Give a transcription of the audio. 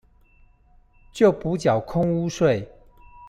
就補繳空屋稅